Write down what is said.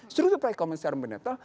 struktur perekonomian secara fundamental